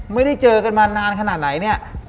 ไม่ได้เจอกันมานานขนาดไหนเนี่ย